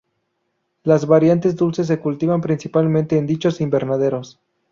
Las variedades dulces se cultivan principalmente en dichos invernaderos.